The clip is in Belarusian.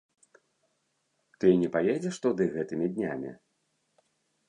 Ты не паедзеш туды гэтымі днямі?